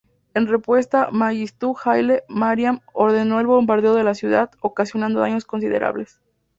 En respuesta, Mengistu Haile Mariam ordenó el bombardeo de la ciudad, ocasionando daños considerables.